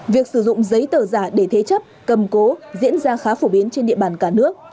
việc sử dụng giấy tờ giả để thế chấp cầm cố diễn ra khá phổ biến trên địa bàn cả nước